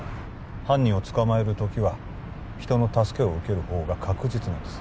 犯人を捕まえる時は人の助けを受ける方が確実なんです